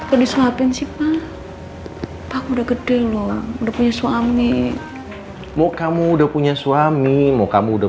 udah diselapin sih pak aku udah gede loh udah punya suami mau kamu udah punya suami mau kamu udah